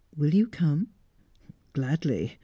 "Will you come?" "Gladly!